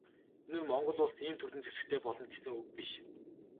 Энэ нь Монгол Улс ийм төрлийн зэвсэгтэй болно гэсэн үг биш.